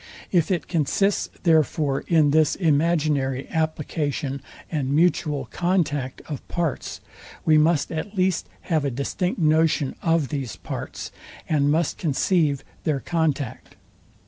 If it consists, therefore, in this imaginary application and mutual contact of parts, we must at least have a distinct notion of these parts, and must conceive their contact.